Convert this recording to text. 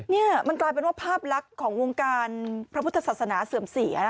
นี่มันกลายเป็นว่าภาพลักษณ์ของวงการพระพุทธศาสนาเสื่อมเสีย